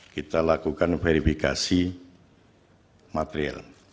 kita lakukan verifikasi material